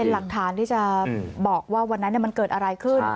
หลักฐานที่จะบอกว่าวันนั้นมันเกิดอะไรขึ้น